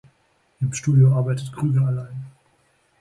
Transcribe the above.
Im Studio arbeitet Krüger allein.